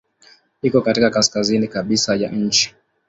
Iko katika kaskazini kabisa ya nchi.